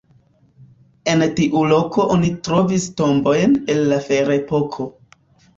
En tiu loko oni trovis tombojn el la ferepoko.